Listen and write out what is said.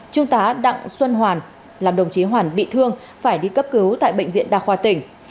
trung tá đặng xuân hoàn làm đồng chí hoàn bị thương phải đi cấp cứu tại bệnh viện đa khoa tỉnh